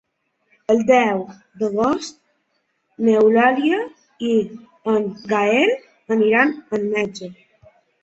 El deu d'agost n'Eulàlia i en Gaël aniran al metge.